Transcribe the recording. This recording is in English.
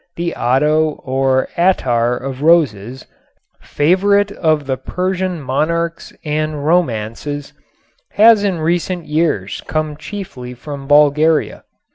The otto or attar of roses, favorite of the Persian monarchs and romances, has in recent years come chiefly from Bulgaria.